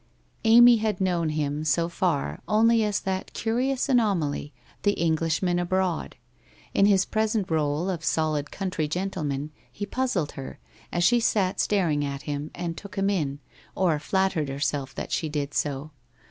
Amy had known him, so far, only as that curious anom aly, the Englishman abroad. In bis present role of solid country gentleman, he puzzled her, as she sat staring at him and took him in, or flattered herself that she did so.